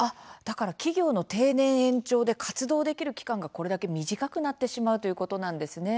企業の定年延長で活動できる期間が、これだけ短くなってしまうということなんですね。